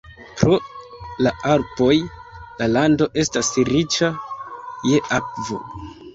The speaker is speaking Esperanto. Pro la Alpoj la lando estas riĉa je akvo.